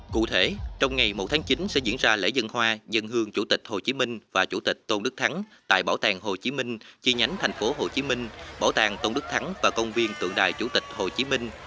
cụ thể trong ngày một tháng chín sẽ diễn ra lễ dân hoa dân hương chủ tịch hồ chí minh và chủ tịch tôn đức thắng tại bảo tàng hồ chí minh chi nhánh tp hcm bảo tàng tôn đức thắng và công viên tượng đài chủ tịch hồ chí minh